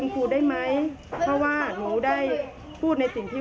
เพราะว่าหนูได้พูดในสิ่งที่